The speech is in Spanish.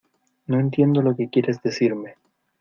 no entiendo lo que quieres decirme.